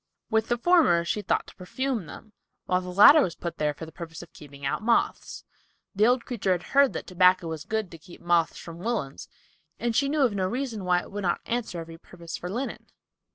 With the former she thought to perfume them, while the latter was put there for the purpose of keeping out moths. The old creature had heard that tobacco was good to keep moths from woolens, and she knew of no reason why it would not answer every purpose for linen.